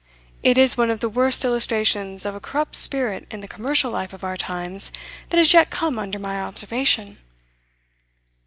It is one of the worst illustrations of a corrupt spirit in the commercial life of our times that has yet come under my observation.